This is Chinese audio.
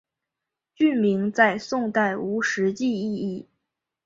郡名在宋代无实际意义。